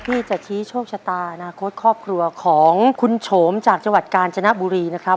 ที่จะชี้โชคชะตาอนาคตครอบครัวของคุณโฉมจากจังหวัดกาญจนบุรีนะครับ